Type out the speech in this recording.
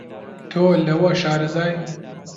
تۆ لەوە شارەزای